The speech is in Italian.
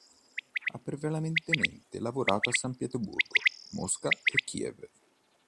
Ha prevalentemente lavorato a San Pietroburgo, Mosca e Kiev.